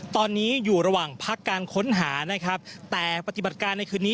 ตอนนี้อยู่ระหว่างพักการค้นหานะครับแต่ปฏิบัติการในคืนนี้